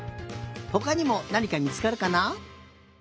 ほかにもなにかみつかるかな？